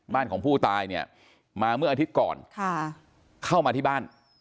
บ้านของผู้ตายเนี่ยมาเมื่ออาทิตย์ก่อนเข้ามาที่บ้าน